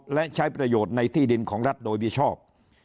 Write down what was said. และใช้ประโยชน์ในที่ดินของรัฐโดยมีชอบ